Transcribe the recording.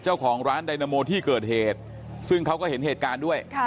เจ้าของร้านไดนาโมที่เกิดเหตุซึ่งเขาก็เห็นเหตุการณ์ด้วย